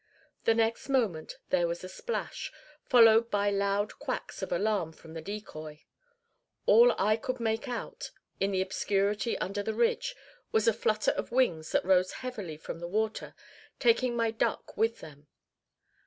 The next moment there was a splash, followed by loud quacks of alarm from the decoy. All I could make out, in the obscurity under the ridge, was a flutter of wings that rose heavily from the water, taking my duck with them.